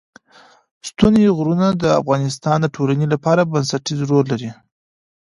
ستوني غرونه د افغانستان د ټولنې لپاره بنسټيز رول لري.